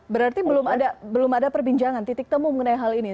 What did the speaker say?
berarti belum ada perbincangan titik temu mengenai hal ini